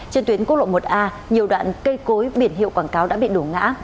trên tuyến quốc lộ một a nhiều đoạn cây cối biển hiệu quảng cáo đã bị đổ ngã